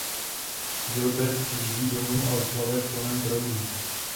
Gilbert přijíždí domů a oslava je v plném proudu.